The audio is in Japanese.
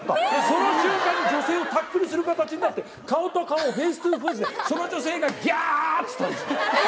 その瞬間に女性をタックルする形になって顔と顔フェイス・トゥ・フェイスでその女性がギャ！っつったんですよ。